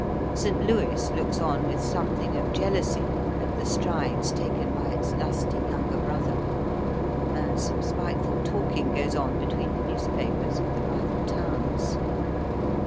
St. Louis looks on with something of jealousy at the strides taken by its lusty younger brother, and some spiteful talking goes on between the newspapers of the rival towns.